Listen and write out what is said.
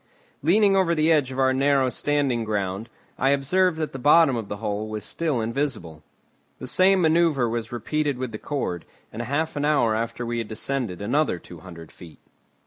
Leaning over the edge of our narrow standing ground, I observed that the bottom of the hole was still invisible. The same manoeuvre was repeated with the cord, and half an hour after we had descended another two hundred feet.